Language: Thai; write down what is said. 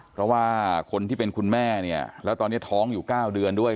เพราะว่าคนที่เป็นคุณแม่เนี่ยแล้วตอนนี้ท้องอยู่๙เดือนด้วย